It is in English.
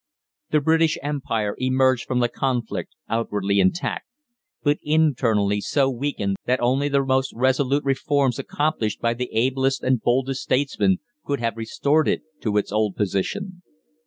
The British Empire emerged from the conflict outwardly intact, but internally so weakened that only the most resolute reforms accomplished by the ablest and boldest statesmen, could have restored it to its old position.